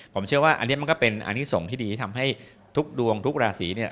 ผมเชื่อว่าอันนี้มันก็เป็นอันนี้ส่งที่ดีที่ทำให้ทุกดวงทุกราศีเนี่ย